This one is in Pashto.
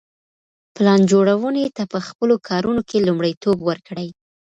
پلان جوړوني ته په خپلو کارونو کي لومړیتوب ورکړئ.